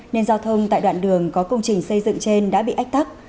nên giao thông tại đoạn đường có công trình xây dựng trên đã bị ách tắc